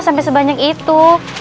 sampai sebanyak itu